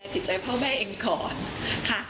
จิตใจพ่อแม่เองก่อนค่ะ